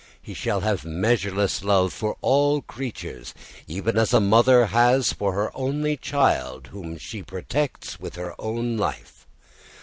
He shall have measureless love for all creatures, even as a mother has for her only child, whom she protects with her own life.